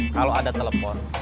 kalau ada telepon